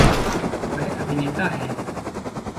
वह अभिनेता है।